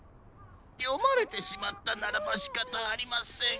よまれてしまったならばしかたありません。